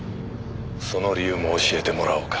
その理由も教えてもらおうか。